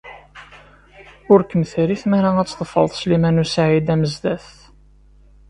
Ur kem-terri tmara ad tḍefred Sliman u Saɛid Amezdat.